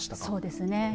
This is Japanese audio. そうですね。